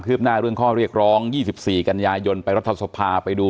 หน้าเรื่องข้อเรียกร้อง๒๔กันยายนไปรัฐสภาไปดู